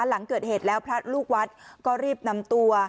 หลังเกิดเหตุแล้วพระลูกวัดก็รีบนำตัว